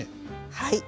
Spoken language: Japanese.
はい。